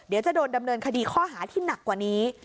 เดี๋ยวจะโดนดำเนินคดีข้อหาที่หนักกว่านี้